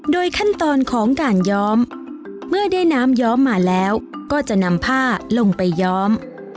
ขั้นตอนของการย้อมเมื่อได้น้ำย้อมมาแล้วก็จะนำผ้าลงไปย้อม